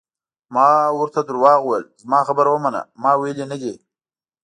ما ورته درواغ وویل: زما خبره ومنه، ما ویلي نه دي.